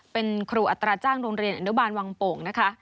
เป็นครูอัตราจ้างโรงเรียนอนุบาลวังโป่งนะคะ